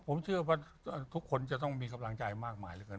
ผมเชื่อว่าทุกคนจะต้องมีกำลังใจมากมายเหลือเกิน